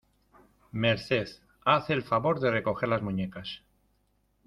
Merced, ¡haz el favor de recoger las muñecas!